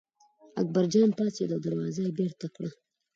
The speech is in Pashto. اکبرجان پاڅېد او دروازه یې بېرته کړه.